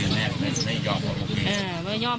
คุณสังเงียมต้องตายแล้วคุณสังเงียม